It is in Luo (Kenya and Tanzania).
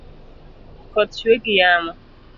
Koth chwe gi yamo